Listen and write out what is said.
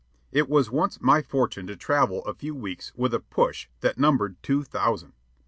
It was once my fortune to travel a few weeks with a "push" that numbered two thousand.